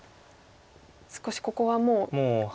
少しここはもうかなり。